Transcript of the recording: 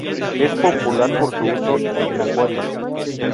Es popular por su uso en acuarios.